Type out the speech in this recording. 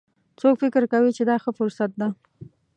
څوک فکر کوي چې دا ښه فرصت ده